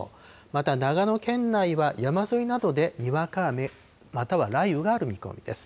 また長野県内は山沿いなどでにわか雨、または雷雨がある見込みです。